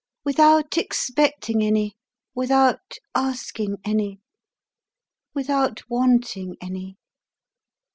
"Without expecting any; without asking any; without wanting any!"